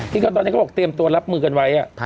ตอนนี้เขาบอกเตรียมตัวรับมือกันไว้